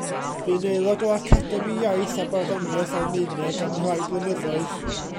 Bu'n aelod o Academi Iaith a Barddoniaeth Almaeneg am rai blynyddoedd.